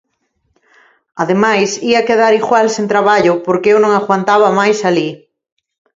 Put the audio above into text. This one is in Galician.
Ademais, ía quedar igual sen traballo porque eu non aguantaba máis alí.